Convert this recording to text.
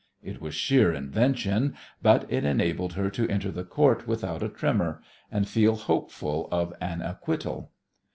It was sheer invention, but it enabled her to enter the Court without a tremor, and feel hopeful of an acquittal.